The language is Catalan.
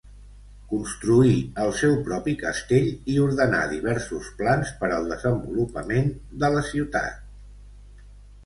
Construí el seu propi castell i ordenà diversos plans per al desenvolupament de la ciutat.